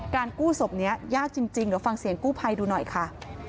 กู้ศพนี้ยากจริงเดี๋ยวฟังเสียงกู้ภัยดูหน่อยค่ะ